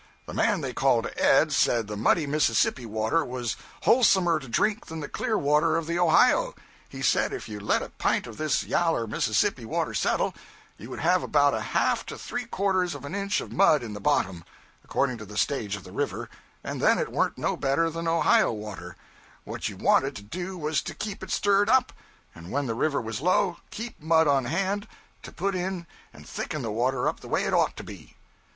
The man they called Ed said the muddy Mississippi water was wholesomer to drink than the clear water of the Ohio; he said if you let a pint of this yaller Mississippi water settle, you would have about a half to three quarters of an inch of mud in the bottom, according to the stage of the river, and then it warn't no better than Ohio water what you wanted to do was to keep it stirred up and when the river was low, keep mud on hand to put in and thicken the water up the way it ought to be.